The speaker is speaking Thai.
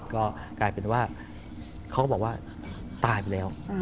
ก็กลายเป็นว่าเขาก็บอกว่าตายไปแล้ว